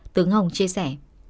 tướng hồng chia sẻ